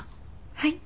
はい。